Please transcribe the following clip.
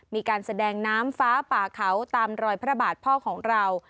มีการแสดงน้ำฟ้าป่าเขาตามรอยพระบาทพ่อของเรา